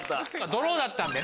ドローだったんで。